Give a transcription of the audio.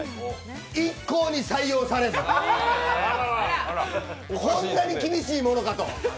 一向に採用されず、こんなに厳しいものかと。